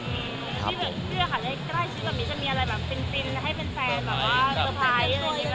พี่เบอร์เจ้าค่ะได้ใกล้ชิดตอนนี้จะมีอะไรแบบฟิลให้เป็นแฟนแบบว่า